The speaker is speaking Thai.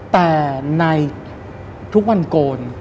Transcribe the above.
แต่ในทุกวันโกน